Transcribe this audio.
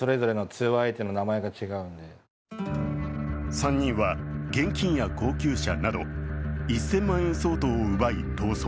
３人は現金や高級車など１０００万円相当を奪い、逃走。